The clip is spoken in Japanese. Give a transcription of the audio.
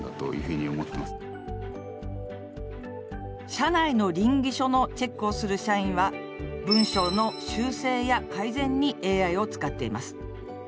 社内のりん議書のチェックをする社員は文章の修正や改善にＡＩを使っています。